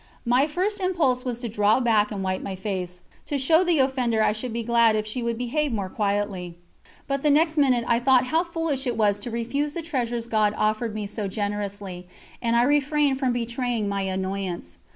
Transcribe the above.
My first impulse was to draw back and wipe my face, to show the offender I should be glad if she would behave more quietly; but the next minute I thought how foolish it was to refuse the treasures God offered me so generously, and I refrained from betraying my annoyance.